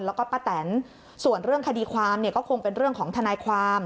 แล้วก็ป้าแตนส่วนเรื่องคดีความเนี่ยก็คงเป็นเรื่องของทนายความ